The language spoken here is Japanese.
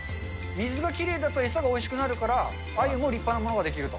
水がきれいだと餌がおいしくなるから、あゆも立派なものができると。